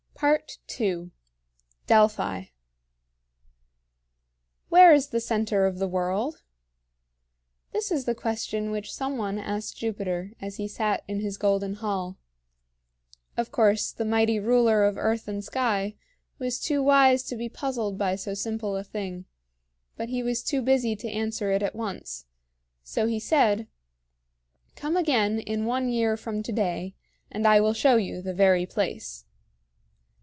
II. DELPHI. "Where is the center of the world?" This is the question which some one asked Jupiter as he sat in his golden hall. Of course the mighty ruler of earth and sky was too wise to be puzzled by so simple a thing, but he was too busy to answer it at once. So he said: "Come again in one year from to day, and I will show you the very place."